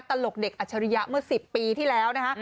ตลกเด็กอัจฉริยะเมื่อ๑๐ปีที่แล้วนะคะ